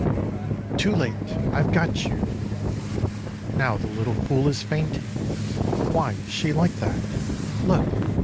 16 " Too late ! I've got you !.... Now the little fool is fainting. Why is she like that ? Look